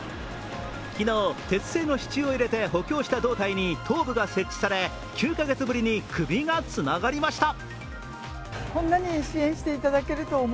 昨日、鉄製の支柱を入れて補強した胴体に頭部が設置され、９か月ぶりに首がつながりました。